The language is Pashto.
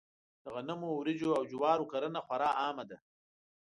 د غنمو، وريجو او جوارو کرنه خورا عامه ده.